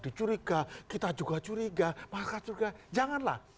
dicuriga kita juga curiga maka curiga janganlah